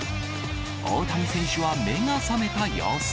大谷選手は目が覚めた様子。